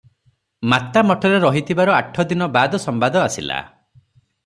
ମାତା ମଠରେ ରହିଥିବାର ଆଠ ଦିନ ବାଦ ସମ୍ବାଦ ଆସିଲା ।